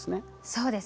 そうです。